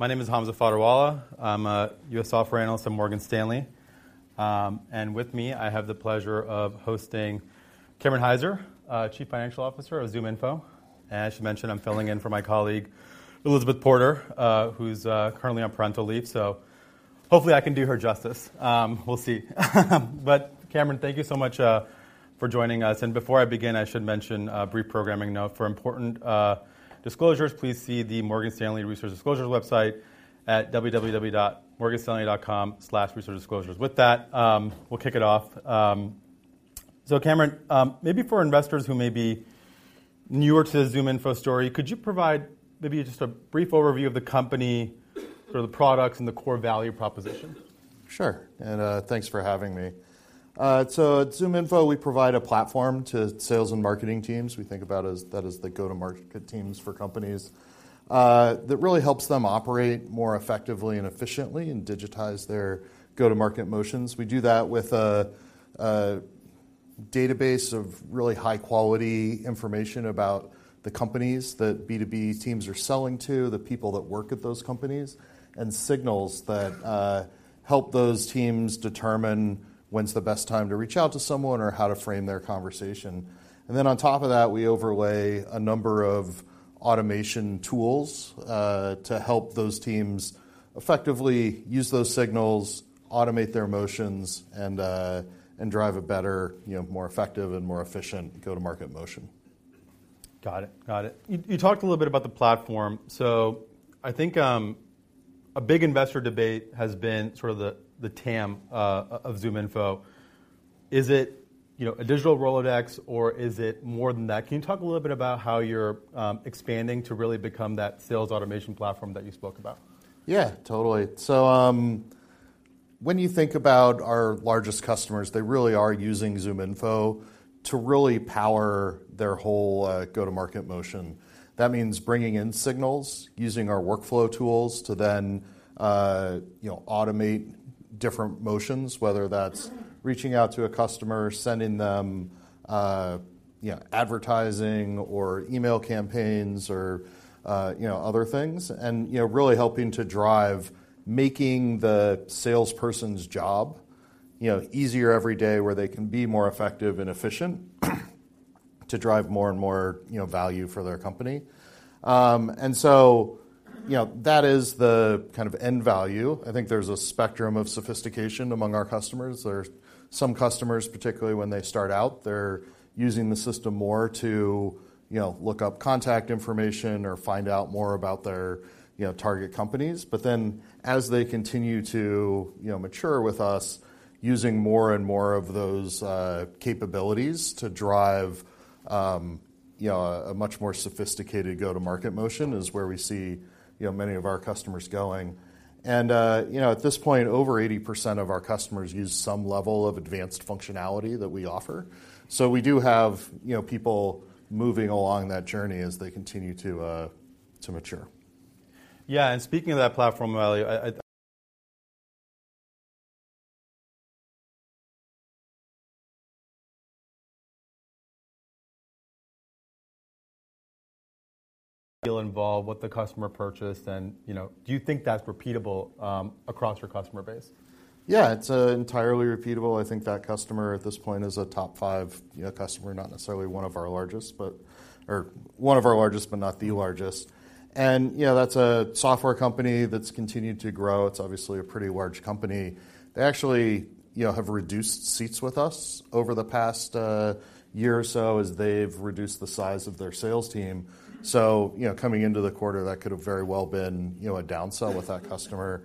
My name is Hamza Fodderwala. I'm a U.S. Software Analyst at Morgan Stanley. With me, I have the pleasure of hosting Cameron Hyzer, Chief Financial Officer of ZoomInfo. I should mention, I'm filling in for my colleague, Elizabeth Porter, who's currently on parental leave, so hopefully I can do her justice. We'll see. But Cameron, thank you so much for joining us. Before I begin, I should mention a brief programming note. For important disclosures, please see the Morgan Stanley Research Disclosure website at www.morganstanley.com/researchdisclosures. With that, we'll kick it off. So Cameron, maybe for investors who may be newer to the ZoomInfo story, could you provide maybe just a brief overview of the company or the products and the core value proposition? Sure, and, thanks for having me. So at ZoomInfo, we provide a platform to sales and marketing teams. We think about that as the go-to-market teams for companies that really helps them operate more effectively and efficiently and digitize their go-to-market motions. We do that with a database of really high-quality information about the companies that B2B teams are selling to, the people that work at those companies, and signals that help those teams determine when's the best time to reach out to someone or how to frame their conversation. And then on top of that, we overlay a number of automation tools to help those teams effectively use those signals, automate their motions, and, and drive a better, you know, more effective and more efficient go-to-market motion. Got it. Got it. You talked a little bit about the platform. So I think a big investor debate has been sort of the TAM of ZoomInfo. Is it, you know, a digital Rolodex or is it more than that? Can you talk a little bit about how you're expanding to really become that sales automation platform that you spoke about? Yeah, totally. So, when you think about our largest customers, they really are using ZoomInfo to really power their whole go-to-market motion. That means bringing in signals, using our workflow tools to then you know, automate different motions, whether that's reaching out to a customer, sending them you know, advertising or email campaigns or you know, other things. And, you know, really helping to drive making the salesperson's job you know, easier every day, where they can be more effective and efficient, to drive more and more you know, value for their company. And so, you know, that is the kind of end value. I think there's a spectrum of sophistication among our customers. There's some customers, particularly when they start out, they're using the system more to you know, look up contact information or find out more about their you know, target companies. But then, as they continue to, you know, mature with us, using more and more of those capabilities to drive, you know, a much more sophisticated go-to-market motion is where we see, you know, many of our customers going. And, you know, at this point, over 80% of our customers use some level of advanced functionality that we offer. So we do have, you know, people moving along that journey as they continue to mature. Yeah, and speaking of that platform value, deal involved what the customer purchased and, you know, do you think that's repeatable across your customer base? Yeah, it's entirely repeatable. I think that customer at this point is a top five, you know, customer, not necessarily one of our largest, but or one of our largest, but not the largest. And, you know, that's a software company that's continued to grow. It's obviously a pretty large company. They actually, you know, have reduced seats with us over the past year or so as they've reduced the size of their sales team. So, you know, coming into the quarter, that could have very well been, you know, a downsell with that customer.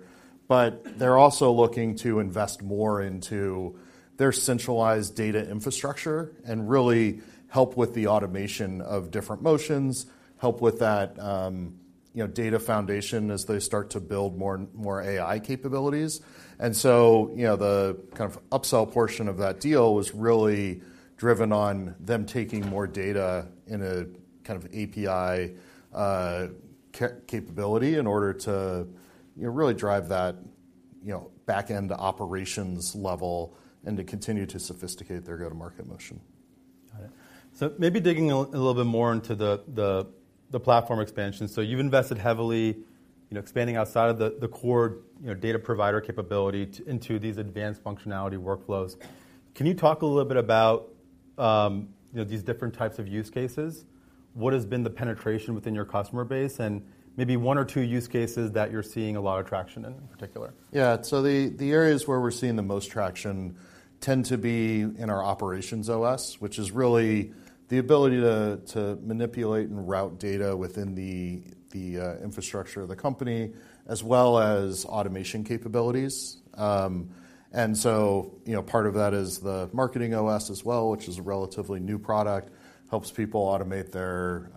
But they're also looking to invest more into their centralized data infrastructure and really help with the automation of different motions, help with that, you know, data foundation as they start to build more, more AI capabilities. You know, the kind of upsell portion of that deal was really driven on them taking more data in a kind of API capability in order to, you know, really drive that, you know, back-end operations level and to continue to sophisticate their go-to-market motion. Got it. So maybe digging a little bit more into the platform expansion. So you've invested heavily, you know, expanding outside of the core, you know, data provider capability into these advanced functionality workflows. Can you talk a little bit about, you know, these different types of use cases? What has been the penetration within your customer base, and maybe one or two use cases that you're seeing a lot of traction in particular? Yeah. So the areas where we're seeing the most traction tend to be in our OperationsOS, which is really the ability to manipulate and route data within the infrastructure of the company, as well as automation capabilities. And so, you know, part of that is the MarketingOS as well, which is a relatively new product, helps people automate their,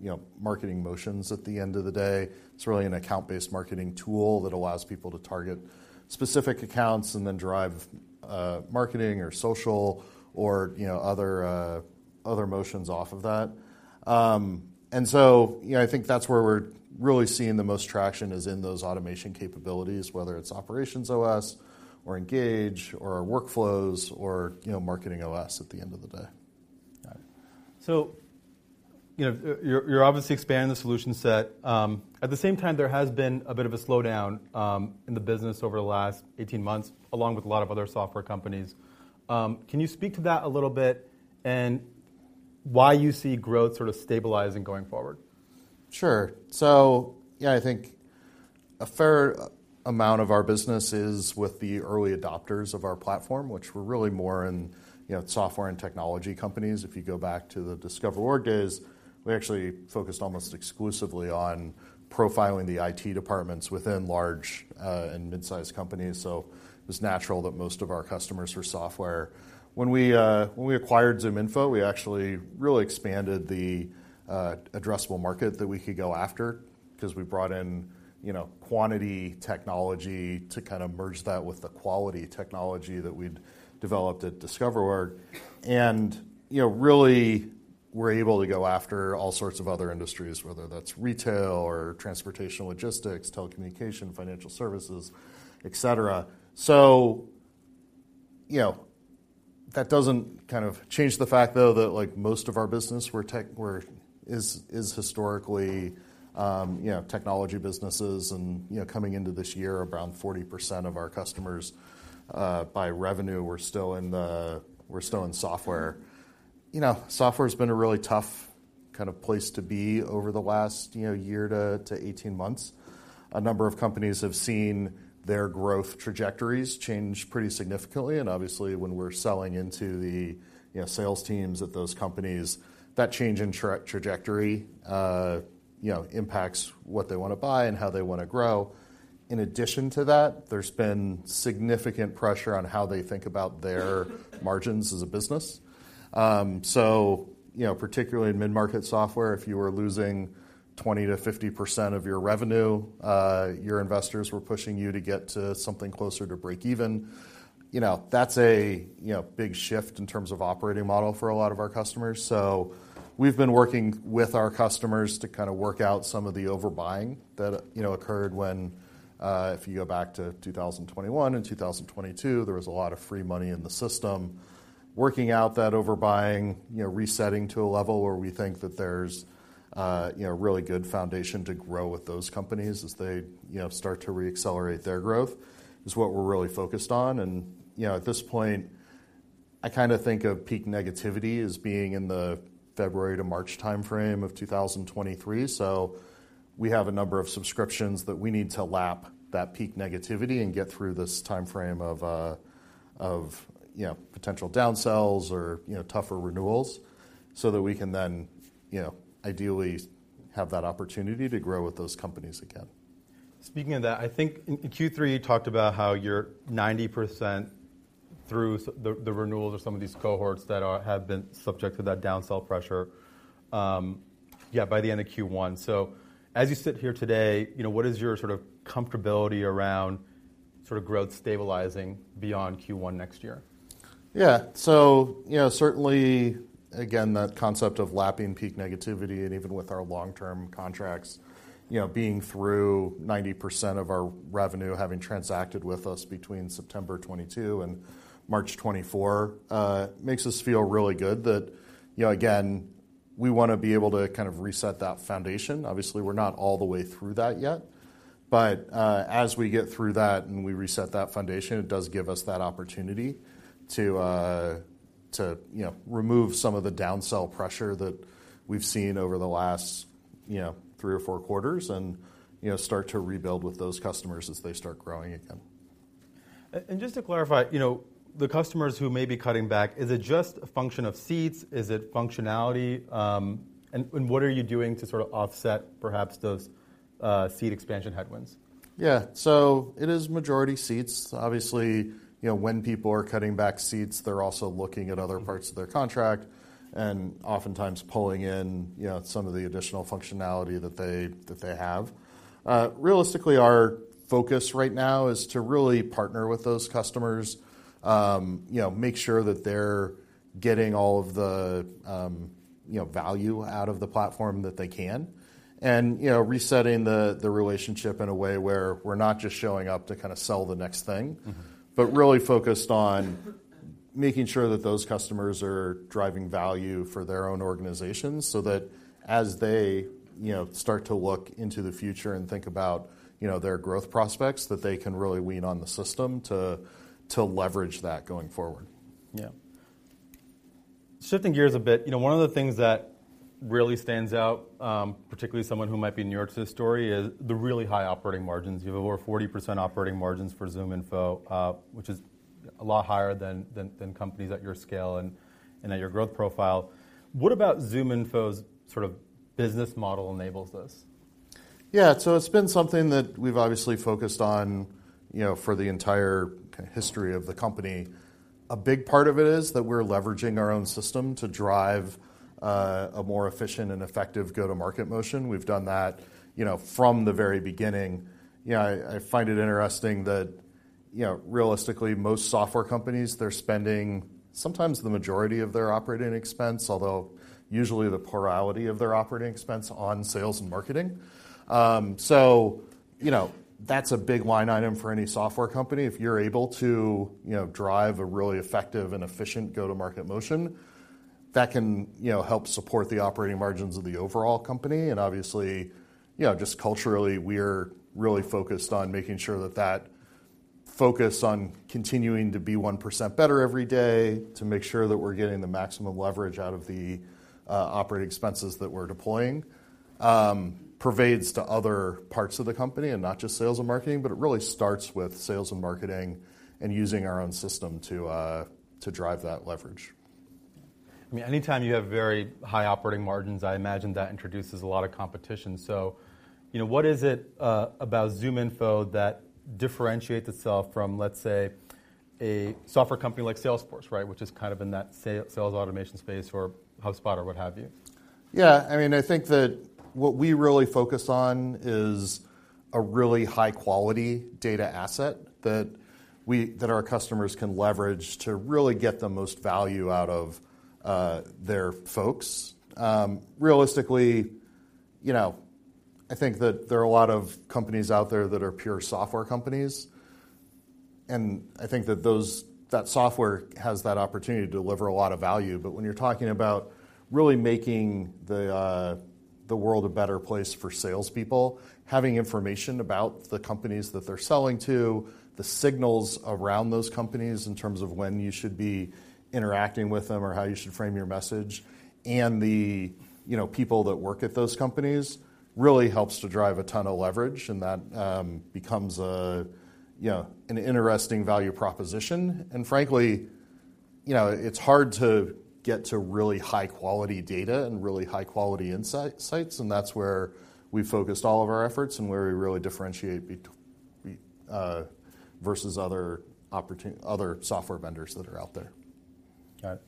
you know, marketing motions at the end of the day. It's really an account-based marketing tool that allows people to target specific accounts and then drive marketing or social or, you know, other motions off of that. And so, you know, I think that's where we're really seeing the most traction is in those automation capabilities, whether it's OperationsOS, or Engage, or Workflows, or, you know, MarketingOS at the end of the day. ... So, you know, you're obviously expanding the solution set. At the same time, there has been a bit of a slowdown in the business over the last 18 months, along with a lot of other software companies. Can you speak to that a little bit and why you see growth sort of stabilizing going forward? Sure. So yeah, I think a fair amount of our business is with the early adopters of our platform, which we're really more in, you know, software and technology companies. If you go back to the DiscoverOrg days, we actually focused almost exclusively on profiling the IT departments within large and mid-sized companies, so it's natural that most of our customers were software. When we acquired ZoomInfo, we actually really expanded the addressable market that we could go after because we brought in, you know, quantity technology to kind of merge that with the quality technology that we'd developed at DiscoverOrg. And, you know, really, we're able to go after all sorts of other industries, whether that's retail or transportation logistics, telecommunication, financial services, et cetera. So, you know, that doesn't kind of change the fact, though, that, like most of our business, we're historically technology businesses and, you know, coming into this year, around 40% of our customers, by revenue, were still in software. You know, software's been a really tough kind of place to be over the last, you know, year to 18 months. A number of companies have seen their growth trajectories change pretty significantly, and obviously, when we're selling into the, you know, sales teams at those companies, that change in trajectory, you know, impacts what they want to buy and how they want to grow. In addition to that, there's been significant pressure on how they think about their margins as a business. So, you know, particularly in mid-market software, if you were losing 20% to 50% of your revenue, your investors were pushing you to get to something closer to breakeven. You know, that's a, you know, big shift in terms of operating model for a lot of our customers. So we've been working with our customers to kind of work out some of the overbuying that, you know, occurred when, if you go back to 2021 and 2022, there was a lot of free money in the system. Working out that overbuying, you know, resetting to a level where we think that there's, you know, really good foundation to grow with those companies as they, you know, start to reaccelerate their growth is what we're really focused on. And, you know, at this point, I kinda think of peak negativity as being in the February to March timeframe of 2023. So we have a number of subscriptions that we need to lap that peak negativity and get through this timeframe of, of, you know, potential downsells or, you know, tougher renewals so that we can then, you know, ideally have that opportunity to grow with those companies again. Speaking of that, I think in Q3, you talked about how you're 90% through the renewals of some of these cohorts that have been subject to that downsell pressure by the end of Q1. So as you sit here today, you know, what is your sort of comfortability around sort of growth stabilizing beyond Q1 next year? Yeah. So, you know, certainly, again, that concept of lapping peak negativity and even with our long-term contracts, you know, being through 90% of our revenue, having transacted with us between September 2022 and March 2024, makes us feel really good that, you know, again, we wanna be able to kind of reset that foundation. Obviously, we're not all the way through that yet, but, as we get through that and we reset that foundation, it does give us that opportunity to, you know, remove some of the down sell pressure that we've seen over the last, you know, three or four quarters and, you know, start to rebuild with those customers as they start growing again. And just to clarify, you know, the customers who may be cutting back, is it just a function of seats? Is it functionality? And what are you doing to sort of offset perhaps those seat expansion headwinds? Yeah. So it is majority seats. Obviously, you know, when people are cutting back seats, they're also looking at other parts of their contract and oftentimes pulling in, you know, some of the additional functionality that they have. Realistically, our focus right now is to really partner with those customers, you know, make sure that they're getting all of the, you know, value out of the platform that they can, and, you know, resetting the relationship in a way where we're not just showing up to kind of sell the next thing. Mm-hmm. But really focused on making sure that those customers are driving value for their own organizations, so that as they, you know, start to look into the future and think about, you know, their growth prospects, that they can really lean on the system to, to leverage that going forward. Yeah. Shifting gears a bit, you know, one of the things that really stands out, particularly someone who might be new to this story, is the really high operating margins. You have over 40% operating margins for ZoomInfo, which is a lot higher than companies at your scale and at your growth profile. What about ZoomInfo's sort of business model enables this? Yeah. So it's been something that we've obviously focused on, you know, for the entire history of the company. A big part of it is that we're leveraging our own system to drive a more efficient and effective go-to-market motion. We've done that, you know, from the very beginning. You know, I find it interesting that, you know, realistically, most software companies, they're spending sometimes the majority of their operating expense, although usually the plurality of their operating expense, on sales and marketing. You know, that's a big line item for any software company. If you're able to, you know, drive a really effective and efficient go-to-market motion, that can, you know, help support the operating margins of the overall company. Obviously, you know, just culturally, we're really focused on making sure that that focus on continuing to be 1% better every day, to make sure that we're getting the maximum leverage out of the operating expenses that we're deploying, pervades to other parts of the company, and not just sales and marketing. It really starts with sales and marketing and using our own system to drive that leverage. I mean, anytime you have very high operating margins, I imagine that introduces a lot of competition. So, you know, what is it about ZoomInfo that differentiates itself from, let's say, a software company like Salesforce, right? Which is kind of in that sales automation space, or HubSpot or what have you. Yeah, I mean, I think that what we really focus on is a really high-quality data asset that our customers can leverage to really get the most value out of their folks. Realistically, you know, I think that there are a lot of companies out there that are pure software companies, and I think that those software has that opportunity to deliver a lot of value. But when you're talking about really making the world a better place for salespeople, having information about the companies that they're selling to, the signals around those companies in terms of when you should be interacting with them or how you should frame your message, and the, you know, people that work at those companies, really helps to drive a ton of leverage, and that becomes a, you know, an interesting value proposition. And frankly, you know, it's hard to get to really high-quality data and really high-quality insights, and that's where we've focused all of our efforts and where we really differentiate between versus other software vendors that are out there. Got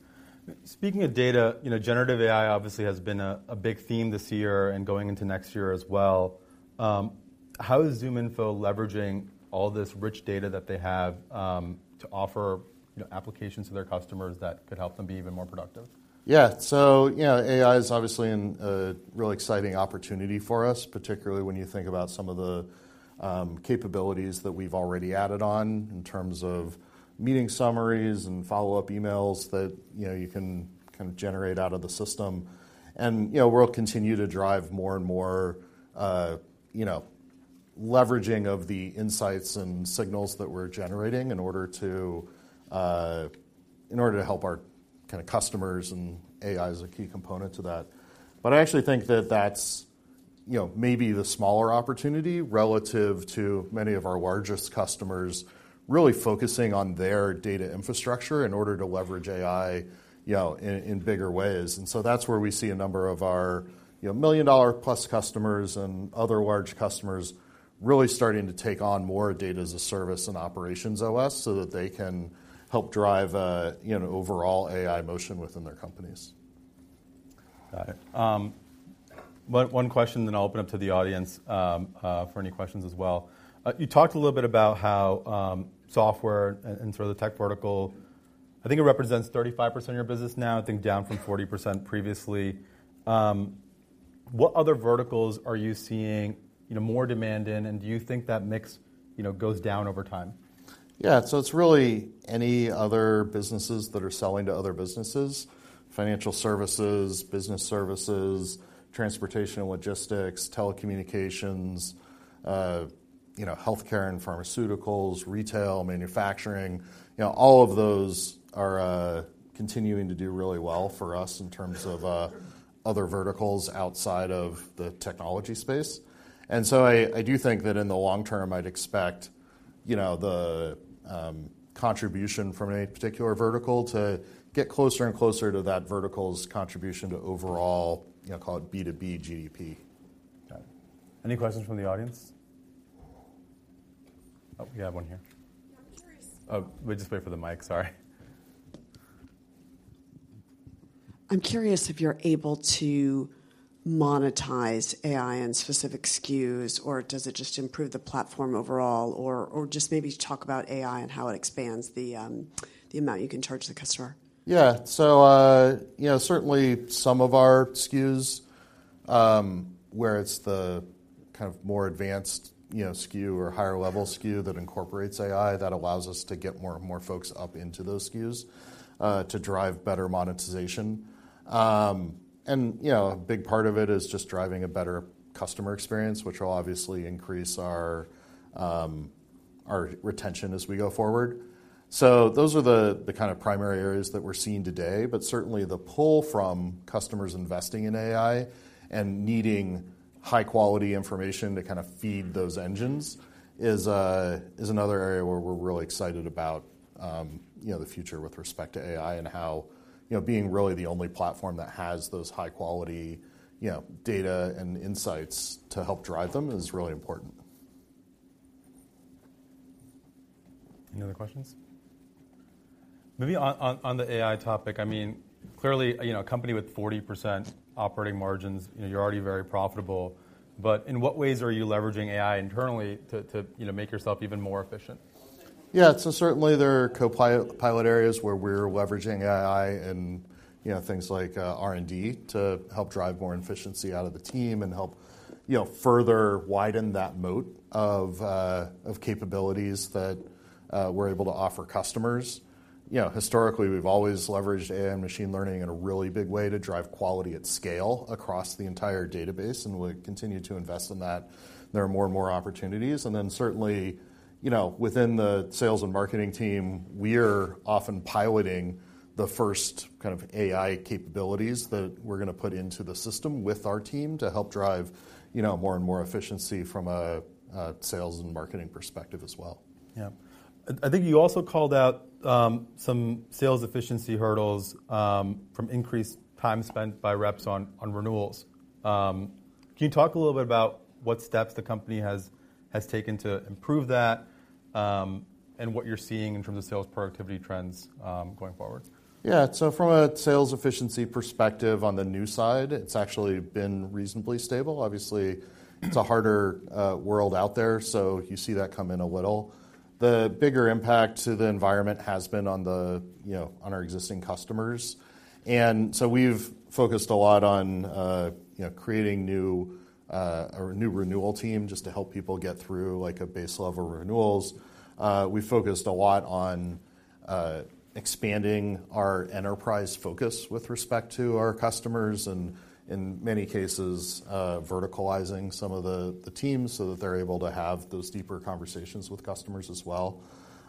it. Speaking of data, you know, generative AI obviously has been a big theme this year and going into next year as well. How is ZoomInfo leveraging all this rich data that they have to offer, you know, applications to their customers that could help them be even more productive? Yeah. So, you know, AI is obviously a really exciting opportunity for us, particularly when you think about some of the capabilities that we've already added on in terms of meeting summaries and follow-up emails that, you know, you can kind of generate out of the system. And, you know, we'll continue to drive more and more, you know, leveraging of the insights and signals that we're generating in order to in order to help our kind of customers, and AI is a key component to that. But I actually think that that's, you know, maybe the smaller opportunity relative to many of our largest customers, really focusing on their data infrastructure in order to leverage AI, you know, in bigger ways. And so that's where we see a number of our, you know, million-dollar-plus customers and other large customers really starting to take on more data as a service and OperationsOS, so that they can help drive a, you know, overall AI motion within their companies. Got it. One question, then I'll open up to the audience for any questions as well. You talked a little bit about how software and sort of the tech vertical, I think it represents 35% of your business now, I think down from 40% previously. What other verticals are you seeing, you know, more demand in, and do you think that mix, you know, goes down over time? Yeah. So it's really any other businesses that are selling to other businesses: financial services, business services, transportation and logistics, telecommunications, you know, healthcare and pharmaceuticals, retail, manufacturing. You know, all of those are continuing to do really well for us in terms of other verticals outside of the technology space. And so I, I do think that in the long term, I'd expect, you know, the contribution from any particular vertical to get closer and closer to that vertical's contribution to overall, you know, call it B2B GDP. Got it. Any questions from the audience? Oh, we have one here. Yeah, I'm curious- Oh, wait, just wait for the mic. Sorry. I'm curious if you're able to monetize AI in specific SKUs, or does it just improve the platform overall? Or, or just maybe talk about AI and how it expands the amount you can charge the customer. Yeah. So, you know, certainly some of our SKUs, where it's the kind of more advanced, you know, SKU or higher level SKU that incorporates AI, that allows us to get more, more folks up into those SKUs, to drive better monetization. And, you know, a big part of it is just driving a better customer experience, which will obviously increase our, our retention as we go forward. So those are the kind of primary areas that we're seeing today, but certainly the pull from customers investing in AI and needing high-quality information to kind of feed those engines is, is another area where we're really excited about, you know, the future with respect to AI and how, you know, being really the only platform that has those high-quality, you know, data and insights to help drive them is really important. Any other questions? Maybe on the AI topic, I mean, clearly, you know, a company with 40% operating margins, you know, you're already very profitable. But in what ways are you leveraging AI internally to, you know, make yourself even more efficient?... Yeah, so certainly there are Copilot pilot areas where we're leveraging AI and, you know, things like R&D to help drive more efficiency out of the team and help, you know, further widen that moat of capabilities that we're able to offer customers. You know, historically, we've always leveraged AI and machine learning in a really big way to drive quality at scale across the entire database, and we'll continue to invest in that. There are more and more opportunities, and then certainly, you know, within the sales and marketing team, we're often piloting the first kind of AI capabilities that we're gonna put into the system with our team to help drive, you know, more and more efficiency from a sales and marketing perspective as well. Yeah. I think you also called out some sales efficiency hurdles from increased time spent by reps on renewals. Can you talk a little bit about what steps the company has taken to improve that, and what you're seeing in terms of sales productivity trends going forward? Yeah. So from a sales efficiency perspective on the new side, it's actually been reasonably stable. Obviously, it's a harder world out there, so you see that come in a little. The bigger impact to the environment has been on the, you know, on our existing customers. And so we've focused a lot on, you know, creating new, a new renewal team just to help people get through, like, a base level renewals. We focused a lot on expanding our enterprise focus with respect to our customers and in many cases, verticalizing some of the teams so that they're able to have those deeper conversations with customers as well.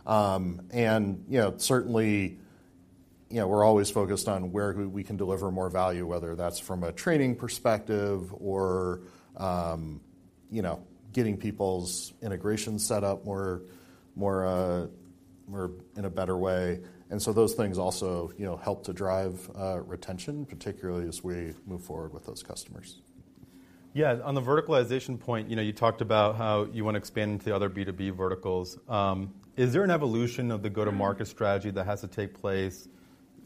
And, you know, certainly, you know, we're always focused on where we can deliver more value, whether that's from a training perspective or, you know, getting people's integration set up more in a better way. So those things also, you know, help to drive retention, particularly as we move forward with those customers. Yeah. On the verticalization point, you know, you talked about how you wanna expand into the other B2B verticals. Is there an evolution of the go-to-market strategy that has to take place?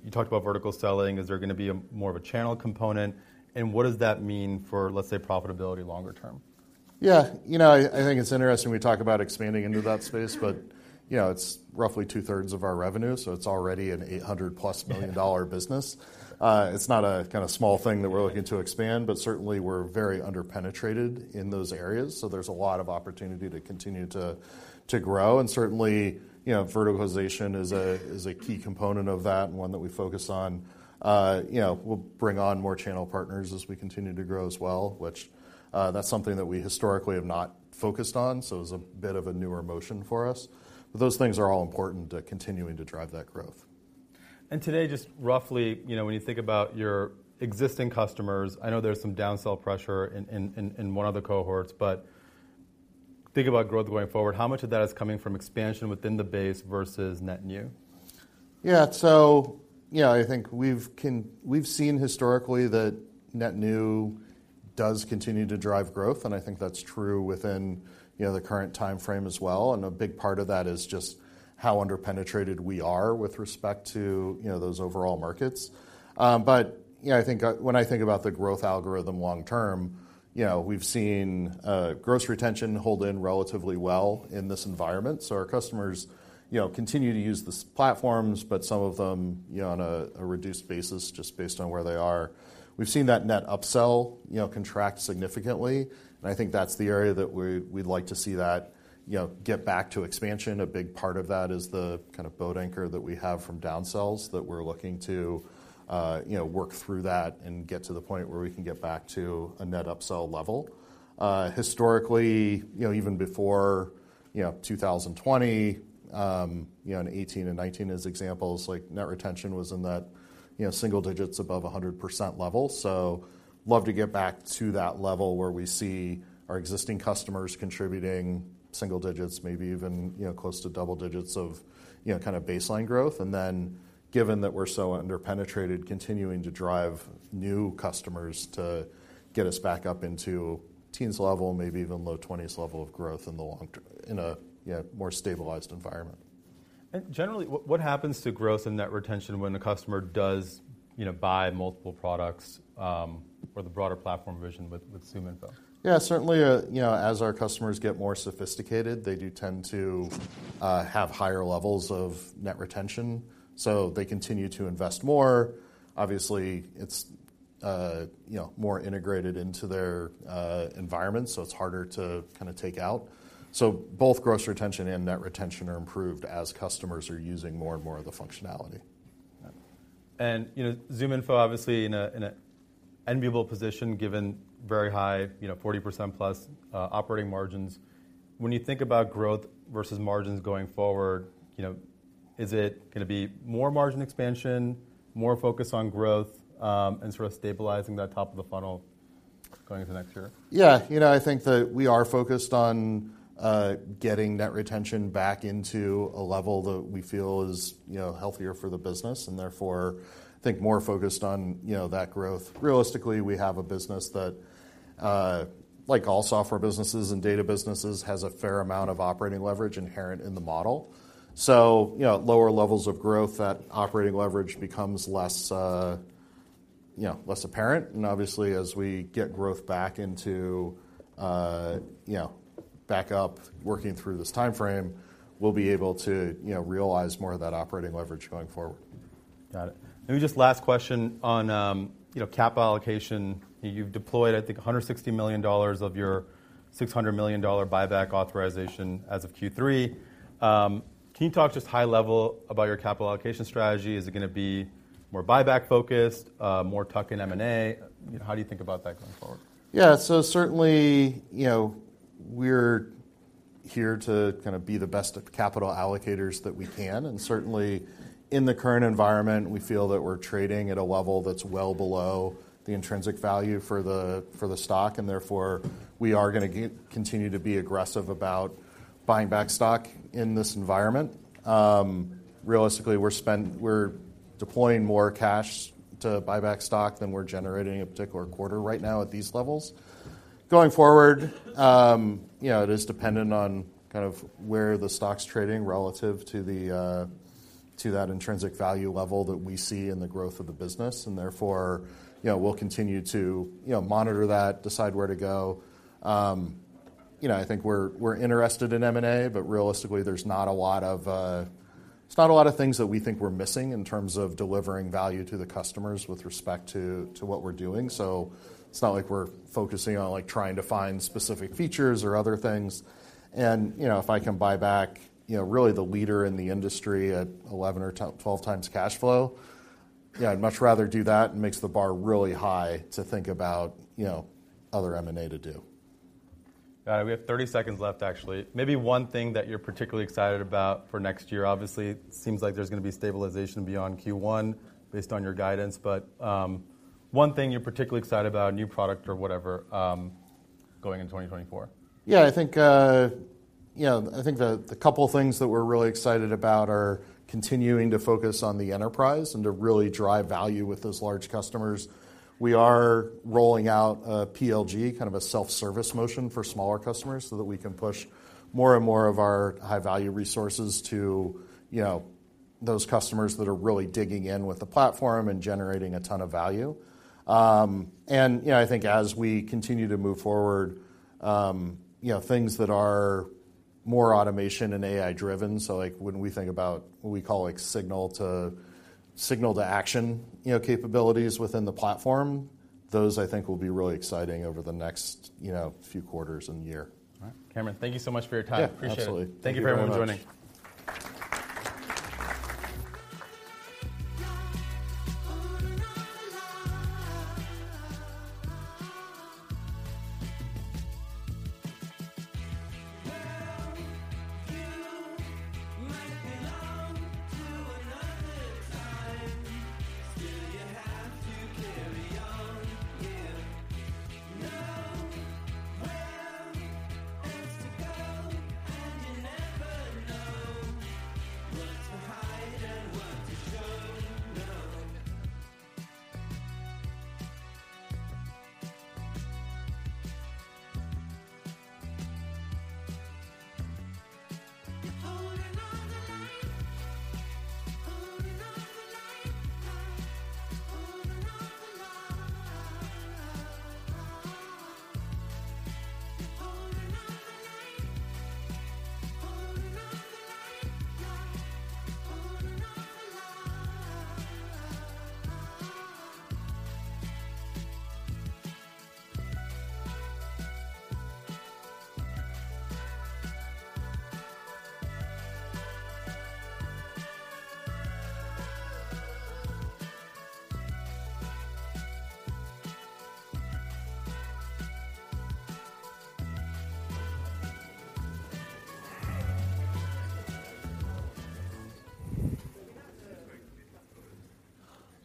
You talked about vertical selling. Is there gonna be a more of a channel component, and what does that mean for, let's say, profitability longer term? Yeah. You know, I think it's interesting we talk about expanding into that space, but, you know, it's roughly two-thirds of our revenue, so it's already an $800+ million business. It's not a kinda small thing that we're looking to expand, but certainly we're very under-penetrated in those areas, so there's a lot of opportunity to continue to grow, and certainly, you know, verticalization is a key component of that and one that we focus on. You know, we'll bring on more channel partners as we continue to grow as well, which, that's something that we historically have not focused on, so it's a bit of a newer motion for us. But those things are all important to continuing to drive that growth. Today, just roughly, you know, when you think about your existing customers, I know there's some downsell pressure in one of the cohorts, but think about growth going forward. How much of that is coming from expansion within the base versus net new? Yeah. So yeah, I think we've seen historically that net new does continue to drive growth, and I think that's true within, you know, the current time frame as well. And a big part of that is just how under-penetrated we are with respect to, you know, those overall markets. But, you know, I think when I think about the growth algorithm long term, you know, we've seen gross retention hold in relatively well in this environment. So our customers, you know, continue to use these platforms, but some of them, you know, on a reduced basis, just based on where they are. We've seen that net upsell, you know, contract significantly, and I think that's the area that we'd like to see that, you know, get back to expansion. A big part of that is the kind of boat anchor that we have from downsells that we're looking to, you know, work through that and get to the point where we can get back to a net upsell level. Historically, you know, even before, you know, 2020, you know, in 2018 and 2019 as examples, like, net retention was in that, you know, single digits above 100% level. So love to get back to that level where we see our existing customers contributing single digits, maybe even, you know, close to double digits of, you know, kind of baseline growth. And then given that we're so under-penetrated, continuing to drive new customers to get us back up into teens level, maybe even low twenties level of growth in the long term in a, yeah, more stabilized environment. Generally, what happens to growth and net retention when a customer does, you know, buy multiple products or the broader platform vision with ZoomInfo? Yeah, certainly, you know, as our customers get more sophisticated, they do tend to have higher levels of net retention, so they continue to invest more. Obviously, it's you know, more integrated into their environment, so it's harder to kinda take out. So both gross retention and net retention are improved as customers are using more and more of the functionality. Yeah. And, you know, ZoomInfo obviously in an enviable position, given very high, you know, 40% plus operating margins. When you think about growth versus margins going forward, you know, is it gonna be more margin expansion, more focused on growth, and sort of stabilizing that top of the funnel going into next year? Yeah. You know, I think that we are focused on getting Net Retention back into a level that we feel is, you know, healthier for the business and therefore, I think more focused on, you know, that growth. Realistically, we have a business that, like all software businesses and data businesses, has a fair amount of operating leverage inherent in the model. So, you know, lower levels of growth, that operating leverage becomes less, you know, less apparent. And obviously, as we get growth back into, you know, back up, working through this time frame, we'll be able to, you know, realize more of that operating leverage going forward. Got it. Maybe just last question on, you know, cap allocation. You've deployed, I think, $160 million of your $600 million buyback authorization as of Q3. Can you talk just high level about your capital allocation strategy? Is it gonna be more buyback focused, more tuck in M&A? How do you think about that going forward? Yeah. So certainly, you know, we're here to kind of be the best capital allocators that we can, and certainly in the current environment, we feel that we're trading at a level that's well below the intrinsic value for the, for the stock, and therefore, we are gonna continue to be aggressive about buying back stock in this environment. Realistically, we're deploying more cash to buy back stock than we're generating in a particular quarter right now at these levels. Going forward, you know, it is dependent on kind of where the stock's trading relative to the, to that intrinsic value level that we see in the growth of the business, and therefore, you know, we'll continue to, you know, monitor that, decide where to go. You know, I think we're interested in M&A, but realistically, there's not a lot of things that we think we're missing in terms of delivering value to the customers with respect to what we're doing. So it's not like we're focusing on, like, trying to find specific features or other things. And, you know, if I can buy back, you know, really the leader in the industry at 11 or 12 times cash flow, yeah, I'd much rather do that. It makes the bar really high to think about, you know, other M&A to do. We have 30 seconds left, actually. Maybe one thing that you're particularly excited about for next year. Obviously, it seems like there's gonna be stabilization beyond Q1 based on your guidance, but, one thing you're particularly excited about, a new product or whatever, going in 2024. Yeah, I think, you know, I think the couple things that we're really excited about are continuing to focus on the enterprise and to really drive value with those large customers. We are rolling out a PLG, kind of a self-service motion for smaller customers, so that we can push more and more of our high-value resources to, you know, those customers that are really digging in with the platform and generating a ton of value. And, you know, I think as we continue to move forward, you know, things that are more automation and AI-driven. So, like, when we think about what we call, like, signal to—signal to action, you know, capabilities within the platform, those, I think, will be really exciting over the next, you know, few quarters and year. All right. Cameron, thank you so much for your time. Yeah, absolutely. Appreciate it. Thank you very much. Thank you for everyone joining.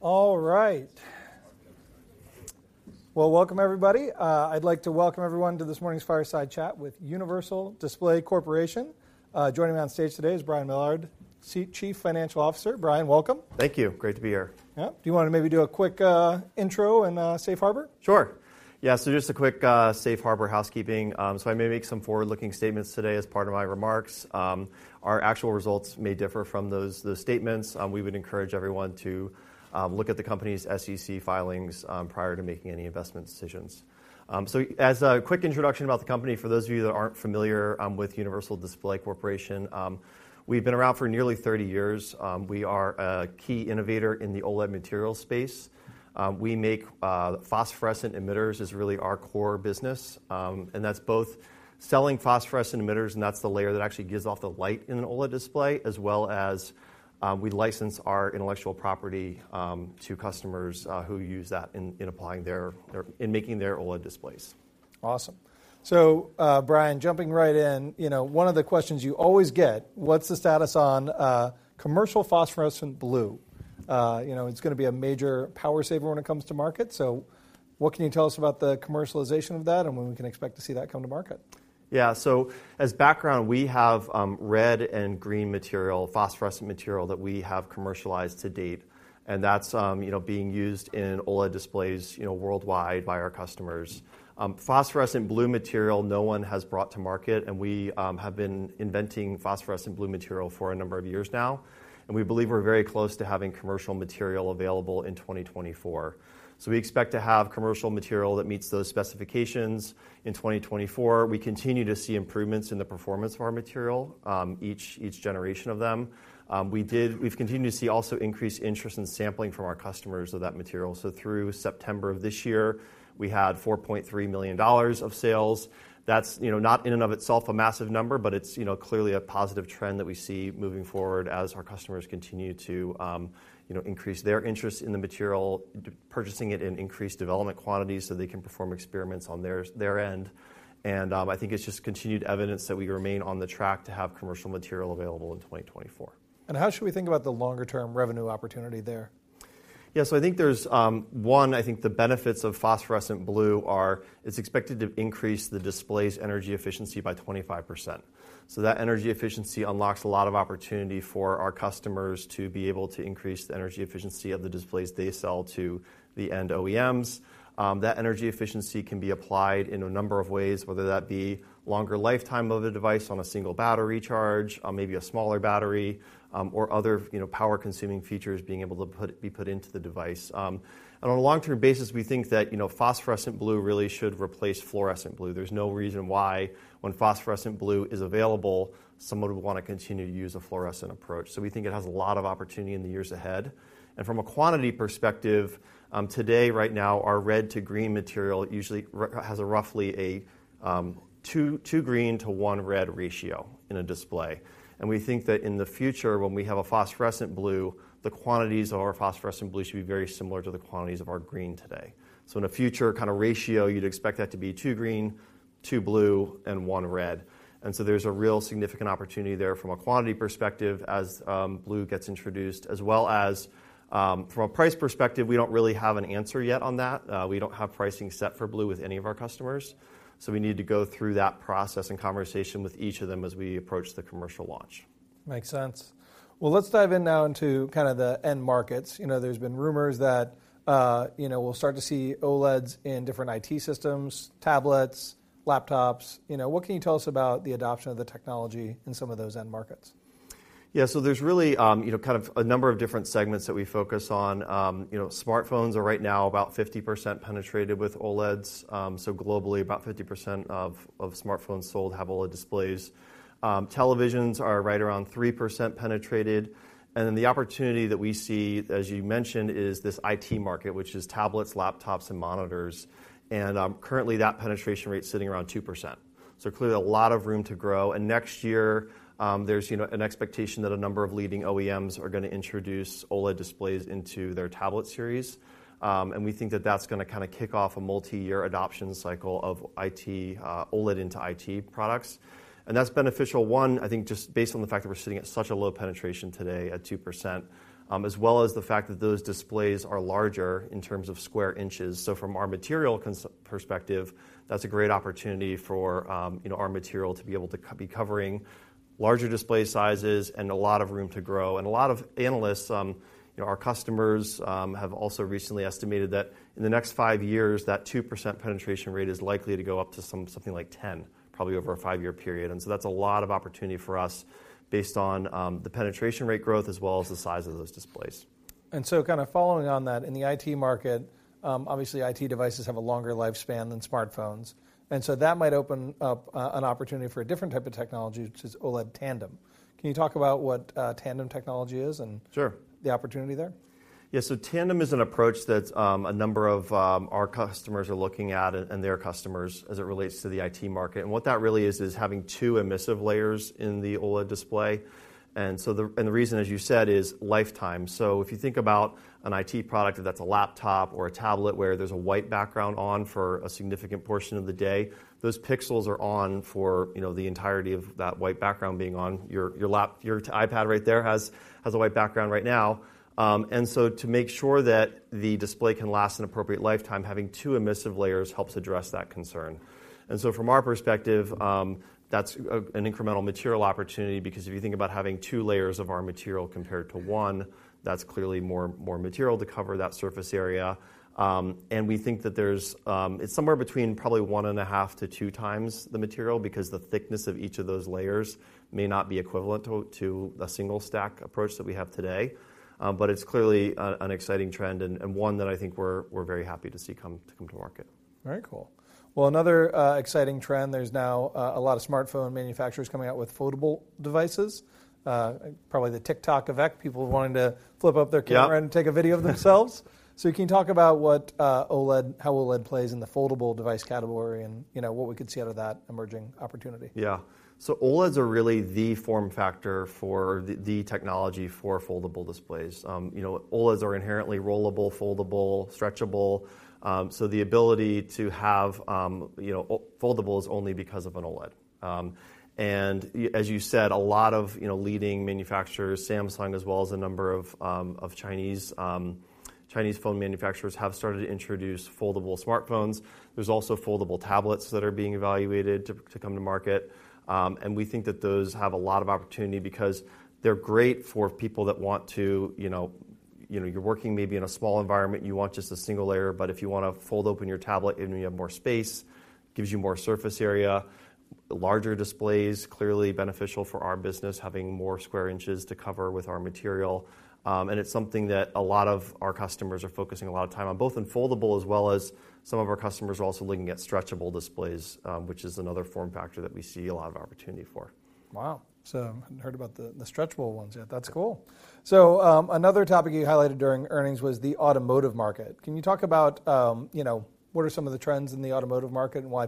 All right. Well, welcome, everybody. I'd like to welcome everyone to this morning's fireside chat with Universal Display Corporation. Joining me on stage today is Brian Millard, Chief Financial Officer. Brian, welcome. Thank you. Great to be here. Yeah. Do you want to maybe do a quick intro and safe harbor? Sure. Yeah, so just a quick safe harbor housekeeping. So I may make some forward-looking statements today as part of my remarks. Our actual results may differ from those, those statements. We would encourage everyone to look at the company's SEC filings prior to making any investment decisions. So as a quick introduction about the company, for those of you that aren't familiar with Universal Display Corporation, we've been around for nearly 30 years. We are a key innovator in the OLED material space. We make phosphorescent emitters, is really our core business, and that's both selling phosphorescent emitters, and that's the layer that actually gives off the light in an OLED display, as well as we license our intellectual property to customers who use that in making their OLED displays. Awesome. So, Brian, jumping right in, you know, one of the questions you always get: What's the status on, commercial phosphorescent blue? You know, it's gonna be a major power saver when it comes to market. So what can you tell us about the commercialization of that, and when we can expect to see that come to market? Yeah. So as background, we have red and green material, phosphorescent material, that we have commercialized to date, and that's, you know, being used in OLED displays, you know, worldwide by our customers. Phosphorescent blue material, no one has brought to market, and we have been inventing phosphorescent blue material for a number of years now.... and we believe we're very close to having commercial material available in 2024. So we expect to have commercial material that meets those specifications in 2024. We continue to see improvements in the performance of our material, each, each generation of them. We've continued to see also increased interest in sampling from our customers of that material. So through September of this year, we had $4.3 million of sales. That's, you know, not in and of itself a massive number, but it's, you know, clearly a positive trend that we see moving forward as our customers continue to, you know, increase their interest in the material, purchasing it in increased development quantities so they can perform experiments on their end. I think it's just continued evidence that we remain on the track to have commercial material available in 2024. How should we think about the longer term revenue opportunity there? Yeah. So I think there's one. I think the benefits of phosphorescent blue are, it's expected to increase the display's energy efficiency by 25%. So that energy efficiency unlocks a lot of opportunity for our customers to be able to increase the energy efficiency of the displays they sell to the end OEMs. That energy efficiency can be applied in a number of ways, whether that be longer lifetime of the device on a single battery charge, maybe a smaller battery, or other, you know, power-consuming features being able to be put into the device. And on a long-term basis, we think that, you know, phosphorescent blue really should replace fluorescent blue. There's no reason why, when phosphorescent blue is available, someone would wanna continue to use a fluorescent approach. So we think it has a lot of opportunity in the years ahead. From a quantity perspective, today, right now, our red to green material usually has a roughly 2 green to 1 red ratio in a display. And we think that in the future, when we have a Phosphorescent Blue, the quantities of our phosphorescent blue should be very similar to the quantities of our green today. So in a future kind of ratio, you'd expect that to be 2 green, 2 blue, and 1 red. And so there's a real significant opportunity there from a quantity perspective as blue gets introduced, as well as from a price perspective, we don't really have an answer yet on that. We don't have pricing set for blue with any of our customers, so we need to go through that process and conversation with each of them as we approach the commercial launch. Makes sense. Well, let's dive in now into kind of the end markets. You know, there's been rumors that, you know, we'll start to see OLEDs in different IT systems, tablets, laptops. You know, what can you tell us about the adoption of the technology in some of those end markets? Yeah. So there's really, you know, kind of a number of different segments that we focus on. You know, smartphones are right now about 50% penetrated with OLEDs. So globally, about 50% of, of smartphones sold have OLED displays. Televisions are right around 3% penetrated, and then the opportunity that we see, as you mentioned, is this IT market, which is tablets, laptops, and monitors. And currently, that penetration rate's sitting around 2%, so clearly a lot of room to grow. And next year, there's, you know, an expectation that a number of leading OEMs are gonna introduce OLED displays into their tablet series. And we think that that's gonna kind of kick off a multiyear adoption cycle of IT OLED into IT products, and that's beneficial, one, I think just based on the fact that we're sitting at such a low penetration today at 2%, as well as the fact that those displays are larger in terms of square inches. So from our material consumption perspective, that's a great opportunity for, you know, our material to be able to cover larger display sizes and a lot of room to grow. And a lot of analysts, you know, our customers, have also recently estimated that in the next five years, that 2% penetration rate is likely to go up to something like 10, probably over a five-year period. And so that's a lot of opportunity for us based on the penetration rate growth as well as the size of those displays. And so kind of following on that, in the IT market, obviously, IT devices have a longer lifespan than smartphones, and so that might open up an opportunity for a different type of technology, which is OLED Tandem. Can you talk about what tandem technology is and- Sure... the opportunity there? Yeah. So tandem is an approach that a number of our customers are looking at, and their customers, as it relates to the IT market. And what that really is, is having two emissive layers in the OLED display. And so the reason, as you said, is lifetime. So if you think about an IT product, whether that's a laptop or a tablet, where there's a white background on for a significant portion of the day, those pixels are on for, you know, the entirety of that white background being on. Your laptop, your iPad right there has a white background right now. And so to make sure that the display can last an appropriate lifetime, having two emissive layers helps address that concern. From our perspective, that's an incremental material opportunity, because if you think about having two layers of our material compared to one, that's clearly more material to cover that surface area. We think that there's... It's somewhere between probably 1.5 to 2 times the material, because the thickness of each of those layers may not be equivalent to the single-stack approach that we have today. It's clearly an exciting trend and one that I think we're very happy to see come to market. Very cool. Well, another exciting trend, there's now a lot of smartphone manufacturers coming out with foldable devices. Probably the TikTok effect, people wanting to flip up their camera- Yeah -and take a video of themselves. So can you talk about what, OLED, how OLED plays in the foldable device category and, you know, what we could see out of that emerging opportunity? Yeah. So OLEDs are really the form factor for the technology for foldable displays. You know, OLEDs are inherently rollable, foldable, stretchable. So the ability to have, you know, foldable is only because of an OLED. And as you said, a lot of, you know, leading manufacturers, Samsung, as well as a number of Chinese phone manufacturers, have started to introduce foldable smartphones. There's also foldable tablets that are being evaluated to come to market. And we think that those have a lot of opportunity because they're great for people that want to, you know... You know, you're working maybe in a small environment, you want just a single layer, but if you wanna fold open your tablet, and you have more space, gives you more surface area. Larger displays, clearly beneficial for our business, having more square inches to cover with our material. It's something that a lot of our customers are focusing a lot of time on, both in foldable as well as some of our customers are also looking at stretchable displays, which is another form factor that we see a lot of opportunity for. Wow! So I hadn't heard about the stretchable ones yet. That's cool. So, another topic you highlighted during earnings was the automotive market. Can you talk about, you know, what are some of the trends in the automotive market and why people-